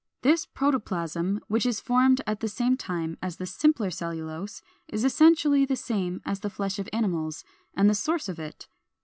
This protoplasm, which is formed at the same time as the simpler cellulose, is essentially the same as the flesh of animals, and the source of it.